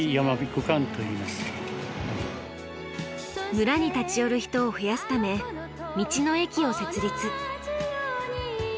村に立ち寄る人を増やすため道の駅を設立。